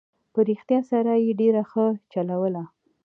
په رښتیا سره یې ډېره ښه چلوله.